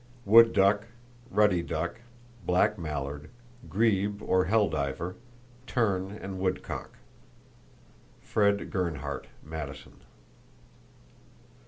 Wood duck, ruddy duck, black mallard, grebe or hell diver, tern and woodcock.—(Fred. Gerhardt, Madison.)